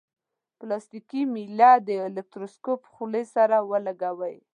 پلاستیکي میله د الکتروسکوپ خولې سره ولګوئ.